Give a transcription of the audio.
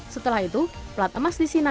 setelah itu plat emas disinar